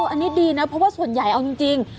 อันนี้ดีนะเพราะว่าส่วนใหญ่เอาจริง